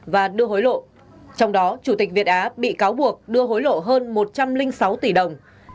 và đưa hối lộ trong đó chủ tịch việt á bị cáo buộc đưa hối lộ hơn một trăm linh sáu tỷ đồng